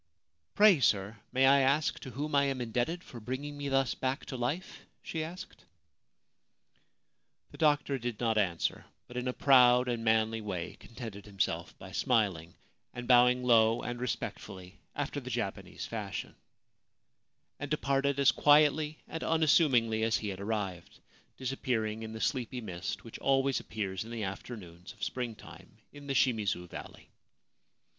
{Pray, sir, may I ask to whom I am indebted for bringing me thus back to life ?' she asked. The doctor did not answer, but in a proud and manly way contented himself by smiling, and bowing low and respectfully after the Japanese fashion ; and departed as quietly and unassumingly as he had arrived, disappearing in the sleepy mist which always appears in the afternoons of spring time in the Shimizu Valley.